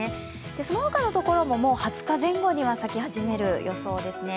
そのほかのところももう２０日前後には咲き始める予想ですね。